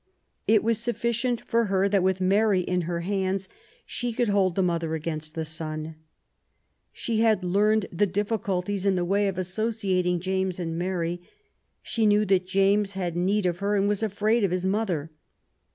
It was sufficient for her that, with Mary in her hands, she could hold the « mother against the son. She had learned the diffi 13 194 QUEEN ELIZABETH. culties in the way of associating James and Mary. She knew that James had need of her, and was afraid of his mother.